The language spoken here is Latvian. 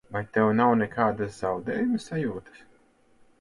Vai tev nav nekādas zaudējuma sajūtas?